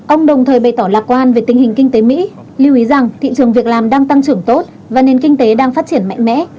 ông đồng thời bày tỏ lạc quan về tình hình kinh tế mỹ lưu ý rằng thị trường việc làm đang tăng trưởng tốt và nền kinh tế đang phát triển mạnh mẽ